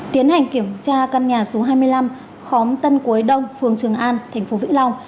tiến hành kiểm tra căn nhà số hai mươi năm khóm tân quế đông phường trường an thành phố vĩnh long